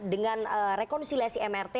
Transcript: dengan rekonisiliasi mrt